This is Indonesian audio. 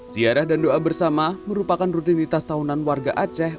ziarah dan doa bersama merupakan rutinitas tahunan warga aceh